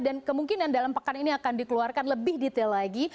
dan kemungkinan dalam pekan ini akan dikeluarkan lebih detail lagi